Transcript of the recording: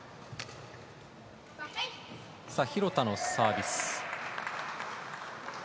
廣田のサービス。